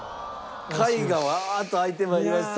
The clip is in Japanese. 下位がワーッと開いてまいりました。